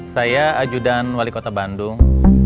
saya ajudan wali kota bandung